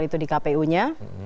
itu di kpu nya